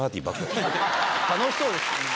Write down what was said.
楽しそうですね。